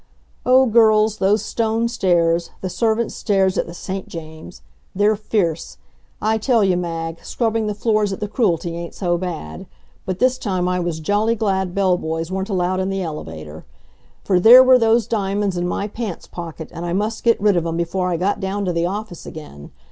Oh, girls, those stone stairs, the servants' stairs at the St. James! They're fierce. I tell you, Mag, scrubbing the floors at the Cruelty ain't so bad. But this time I was jolly glad bell boys weren't allowed in the elevator. For there were those diamonds in my pants pocket, and I must get rid of 'em before I got down to the office again.